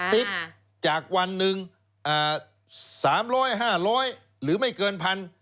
ติ๊กจากวันนึง๓๐๐๕๐๐หรือไม่เกินพัน